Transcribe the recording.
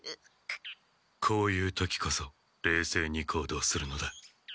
こういう時こそれいせいに行動するのだ。